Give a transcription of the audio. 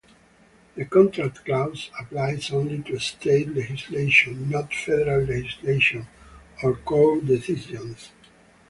The Contract Clause applies only to state legislation, not federal legislation or court decisions.